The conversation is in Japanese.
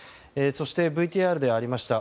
そしてＶＴＲでありました